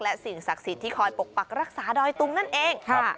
และสิ่งศักดิ์สิทธิ์ที่คอยปกปักรักษาดอยตุงนั่นเอง